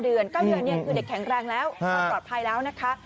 เดือน๙เดือนเนี่ยคือเด็กแข็งแรงแล้วก็ปลอดภัยแล้วนะคะ